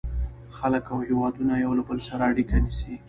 • خلک او هېوادونه یو له بل سره اړیکه نیسي.